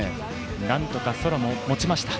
なんとか空も持ちました。